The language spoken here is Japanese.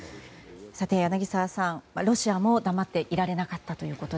柳澤さん、ロシアも黙っていられなかったということで。